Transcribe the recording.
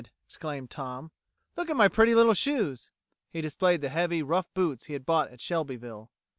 exclaimed Tom. "Look at my pretty little shoes." He displayed the heavy, rough boots he had bought at Shelbyville.